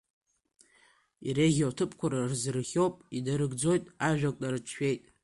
Иреиӷьу аҭыԥқәа рызрыхиоуп, инарыгӡоит, ажәак нарыҿшәеит…